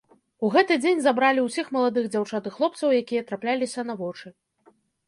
У гэты дзень забралі ўсіх маладых дзяўчат і хлопцаў, якія трапляліся на вочы.